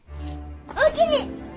おおきに！